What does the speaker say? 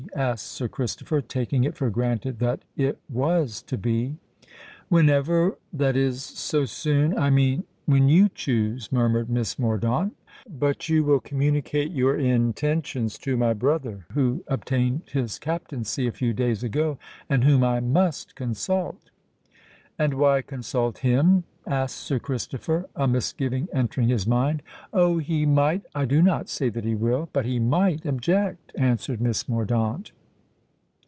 asked Sir Christopher, taking it for granted that it was to be. "Whenever—that is—so soon—I mean—when you choose," murmured Miss Mordaunt. "But you will communicate your intentions to my brother, who obtained his captaincy a few days ago, and whom I must consult." "And why consult him?" asked Sir Christopher, a misgiving entering his mind. "Oh! he might—I do not say that he will—but he might object," answered Miss Mordaunt.